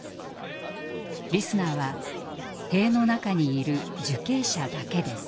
リスナーは塀の中にいる受刑者だけです。